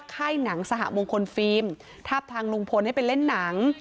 ค่ายหนังสหมงคลฟิล์มทาบทางลุงพลให้ไปเล่นหนัง